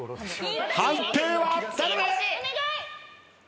判定は！？